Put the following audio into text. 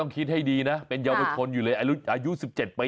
๑๗ปีเองอะนะครับ